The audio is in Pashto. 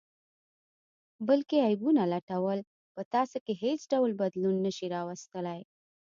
بل کې عیبونه لټول په تاسې کې حیڅ ډول بدلون نه شي راوستلئ